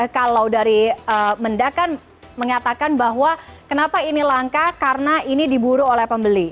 kalau dari menda kan mengatakan bahwa kenapa ini langka karena ini diburu oleh pembeli